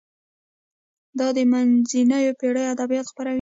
دا د منځنیو پیړیو ادبیات خپروي.